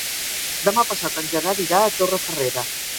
Demà passat en Gerard irà a Torrefarrera.